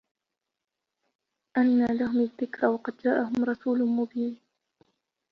أَنّى لَهُمُ الذِّكرى وَقَد جاءَهُم رَسولٌ مُبينٌ